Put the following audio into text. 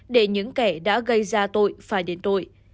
để những kẻ đã gây ra tội phải đến tội